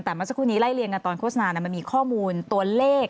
แต่เมื่อสักครู่นี้ไล่เรียงกันตอนโฆษณามันมีข้อมูลตัวเลข